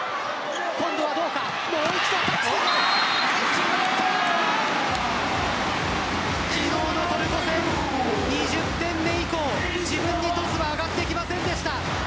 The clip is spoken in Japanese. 決まった、昨日のトルコ戦２０点目以降、自分にトスは上がってきませんでした。